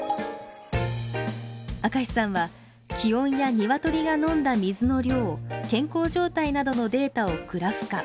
明石さんは気温やニワトリが飲んだ水の量健康状態などのデータをグラフ化。